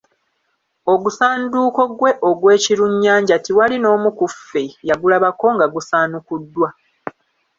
Ogusanduuko gwe ogw'ekirunnyanja tiwali n'omu ku ffe yagulabako nga gusaanukuddwa.